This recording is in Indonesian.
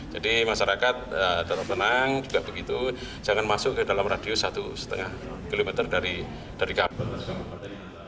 jadi masyarakat tetap tenang juga begitu jangan masuk ke dalam radius satu lima km dari kawah